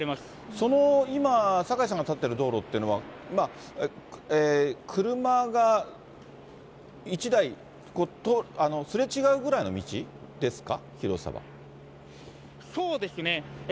その今、酒井さんが立っている道路というのは、車が１台、すれ違うぐらいの道ですか？